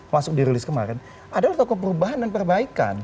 masuk dirilis kemarin adalah tokoh perubahan dan perbaikan